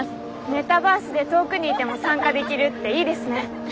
メタバースで遠くにいても参加できるっていいですね。